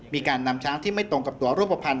มีการนำช้างที่ไม่ตรงกับตัวรูปภัณฑ